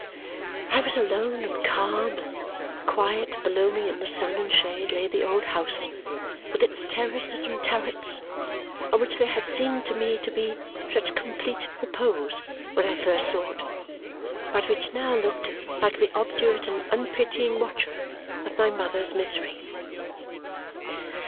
I was alone, and calm and quiet below me in the sun and shade lay the old house, with its terraces and turrets, on which there had seemed to me to be such complete repose when I first saw it, but which now looked like the obdurate and unpitying watcher of my mother's misery.